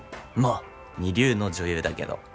まあ二流の女優だけど。